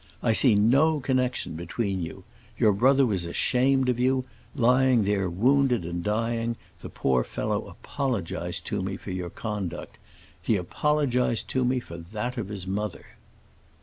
I see no connection between you. Your brother was ashamed of you. Lying there wounded and dying, the poor fellow apologized to me for your conduct. He apologized to me for that of his mother."